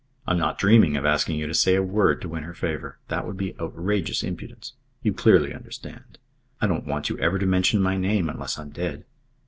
I'm not dreaming of asking you to say a word to win her favour. That would be outrageous impudence. You clearly understand. I don't want you ever to mention my name unless I'm dead.